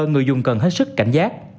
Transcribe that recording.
người dùng cần hết sức cảnh giác